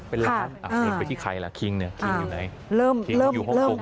เป็นล้านไปที่ใครล่ะคิงอยู่ไหนคิงอยู่ฮ่องกง